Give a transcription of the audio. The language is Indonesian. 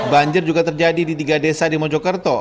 banjir juga terjadi di tiga desa di mojokerto